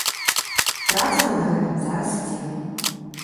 Праца над гэтым зараз ідзе.